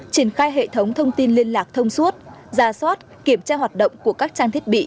triển khai hệ thống thông tin liên lạc thông suốt giả soát kiểm tra hoạt động của các trang thiết bị